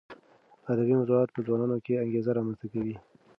ادبي موضوعات په ځوانانو کې انګېزه رامنځته کوي.